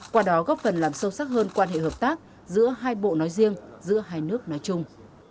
qua đó góp phần làm sâu sắc hơn quan hệ hợp tác giữa hai bộ nói riêng giữa hai nước nói chung